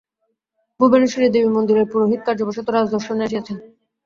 ভুবনেশ্বরী-দেবী-মন্দিরের পুরোহিত কার্যবশত রাজদর্শনে আসিয়াছেন।